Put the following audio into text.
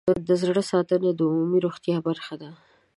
د زړه ساتنه د عمومي روغتیا برخه ده.